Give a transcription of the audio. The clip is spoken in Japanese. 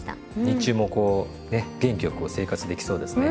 日中もこうね元気よく生活できそうですね。